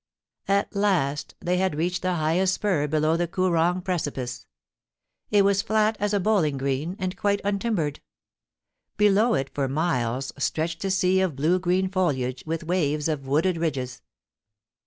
At last they had reached the highest spur below the Koo rong precipice. It was flat as a bowling green, and quite untimbered. Below it, for miles, stretched a sea of blue green foliage, with waves of wooded ridges.